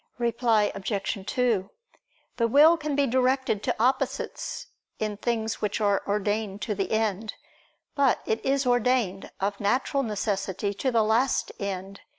Reply Obj. 2: The will can be directed to opposites, in things which are ordained to the end; but it is ordained, of natural necessity, to the last end.